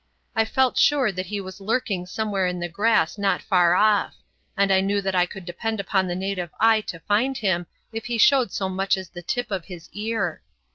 I felt sure that he was lurking somewhere in the grass not far off, and I knew that I could depend upon the native eye to find him if he showed so much as the tip of his ear.